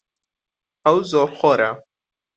ئەو زۆرخۆرە.